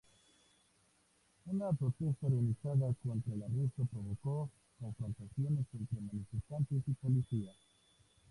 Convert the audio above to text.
Una protesta organizada contra el arresto provocó confrontaciones entre manifestantes y policía.